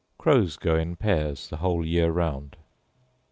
Crows go in pairs the whole year round.